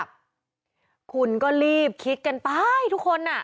คุณก็รีบคิดกันไปทุกคน